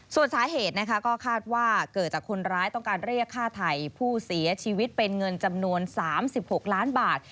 ส่วนสาเหตุนะคะก็คาดว่าเกิดจากคนร้ายต้องการเรียกค่าไทยผู้เสียชีวิตเป็นเงินจำนวน๓๖ล้านบาท